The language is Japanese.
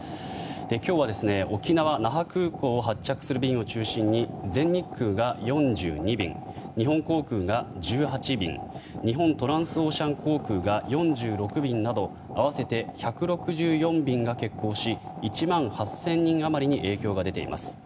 今日は沖縄・那覇空港を発着する便を中心に全日空が４２便日本航空が１８便日本トランスオーシャン航空が４６便など合わせて１６４便が欠航し１万８０００人余りに影響が出ています。